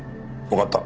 わかった。